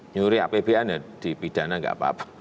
nyuri apbn ya dipidana nggak apa apa